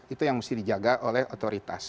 itu yang mesti dijaga oleh otoritas